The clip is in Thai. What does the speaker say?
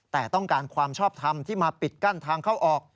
แต่ต้องการความชอบทำที่มาปิดกั้นทางเข้าออก